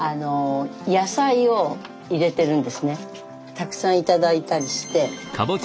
たくさん頂いたりして。